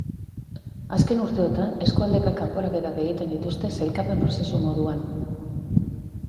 Azken urteotan, eskualdeka kanporaketak egiten dituzte sailkapen prozesu moduan.